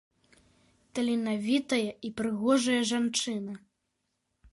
Таленавітая і прыгожая жанчына.